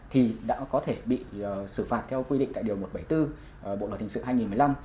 thì đã có thể bị xử phạt theo quy định tại điều một trăm bảy mươi bốn bộ luật hình sự hai nghìn một mươi năm